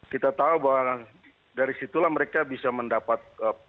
kita tahu bahwa dari situlah mereka bisa mendapat